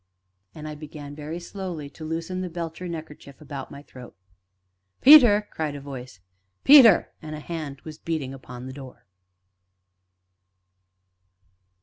And I began, very slowly, to loosen the belcher neckerchief about my throat. "Peter!" cried a voice "Peter!" and a hand was beating upon the door.